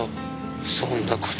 そんな事。